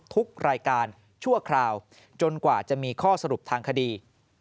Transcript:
ทุกรายการชั่วคราวจนกว่าจะมีข้อสรุปทางคดี